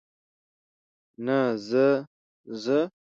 نه، زه، زه.